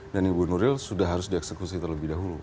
dan ibu nuril sudah harus dieksekusi terlebih dahulu